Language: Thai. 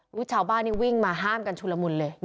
ชาวบ้านนี่วิ่งมาห้ามกันชุลมุนเลย